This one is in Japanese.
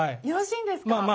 よろしいんですか？